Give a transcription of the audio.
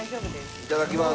いただきます。